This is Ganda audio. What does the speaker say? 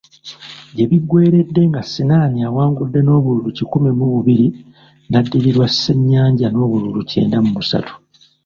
Gye biggweeredde nga Sinaani awangudde n’obululu kikumi mu bubiri, n’addirirwa Ssennyanja n’obululu kyenda mu busatu.